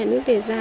nhà nước để ra